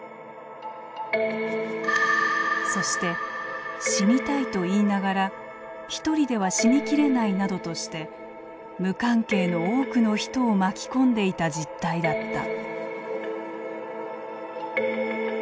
そして「死にたい」と言いながら一人では死にきれないなどとして無関係の多くの人を巻き込んでいた実態だった。